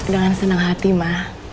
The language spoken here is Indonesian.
dengan senang hati ma